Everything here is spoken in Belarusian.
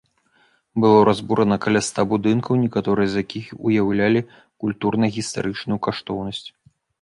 Было разбурана каля ста будынкаў, некаторыя з якіх уяўлялі культурна-гістарычную каштоўнасць.